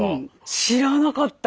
知らなかった！